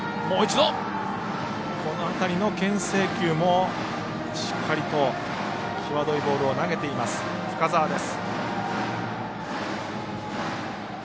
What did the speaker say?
この辺りのけん制球もしっかりと際どいボールを投げている深沢です。